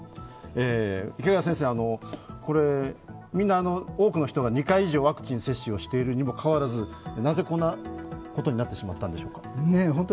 池谷先生、みんな多くの人が２回以上ワクチンを接種しているにもかかわらずなぜ、こんなことになってしまったんでしょうか。